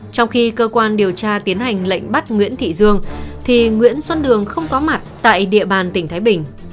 trong khi cơ quan điều tra tiến hành lệnh bắt nguyễn thị dương thì nguyễn xuân đường không có mặt tại địa bàn tỉnh thái bình